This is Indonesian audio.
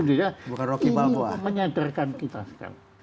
ini menyadarkan kita sekarang